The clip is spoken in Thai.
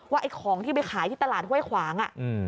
ว่าอะไรที่ไปขายที่ตลาดไห้ขวัง